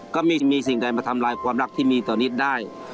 ก็ไม่มีสิ่งใดมาทำลายความรักที่มีต่อนิดได้